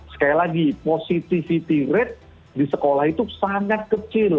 sekali lagi positivity rate di sekolah itu sangat kecil